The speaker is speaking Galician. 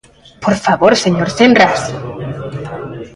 ¡Por favor, señor Senras!